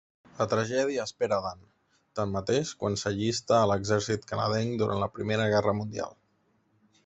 La tragèdia espera Dan, tanmateix, quan s'allista a l'exèrcit canadenc durant la Primera Guerra Mundial.